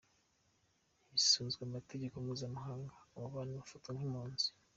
Hisunzwe amategeko mpuzamakungu, abo bantu bafatwa nk'impunzi.